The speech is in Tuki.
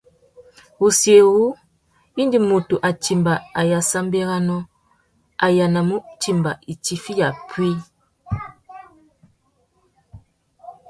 Wuchiuwú, indi mutu a timba ayássámbérénô, a yānamú timba itifiya puï.